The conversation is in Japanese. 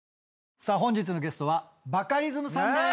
さあ本日のゲストはバカリズムさんでーす！